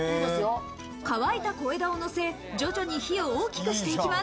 乾いた小枝をのせ、徐々に火を大きくしていきます。